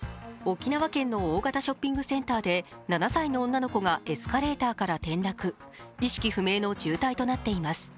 沖縄県の大型ショッピングセンターで７歳の女の子がエスカレーターから転落意識不明の重体となっています。